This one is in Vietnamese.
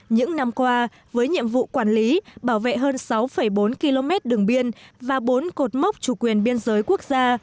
những năm qua với nhiệm vụ quản lý bảo vệ hơn sáu bốn km đường biên và bốn cột mốc chủ quyền biên giới quốc gia